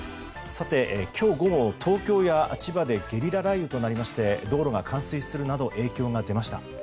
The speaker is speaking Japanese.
今日午後、東京や千葉でゲリラ雷雨となりまして道路が冠水するなど影響が出ました。